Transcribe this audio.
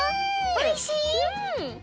おいしい？